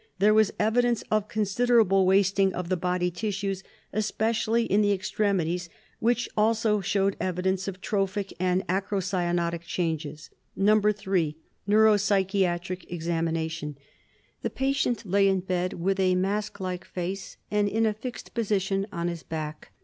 There was evidence of considerable wasting of the body tissues, especially in the extremities, which also showed evidence of trophic and acrocyanotic changes. 3. Neuropsychiatric Examination: The patient lay in bed with a masklike face and in a fixed position on his back.